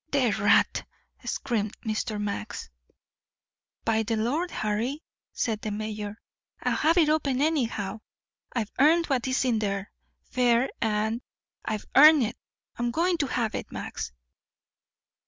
"The rat!" screamed Mr. Max. "By the Lord Harry," said the mayor, "I'll have it open, anyhow. I've earned what's in there, fair and I've earned it. I'm going to have it, Max."